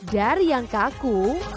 dari yang kaku